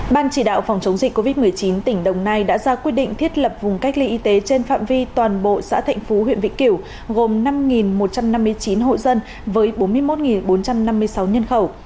ban chỉ đạo phòng chống dịch covid một mươi chín tỉnh đồng nai đã ra quyết định thiết lập vùng cách ly y tế trên phạm vi toàn bộ xã thạnh phú huyện vĩnh kiểu gồm năm một trăm năm mươi chín hộ dân với bốn mươi một bốn trăm năm mươi sáu nhân khẩu